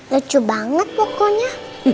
lucu banget pokoknya